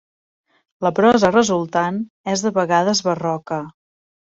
La prosa resultant és de vegades barroca.